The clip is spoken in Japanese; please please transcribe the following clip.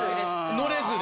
乗れずで？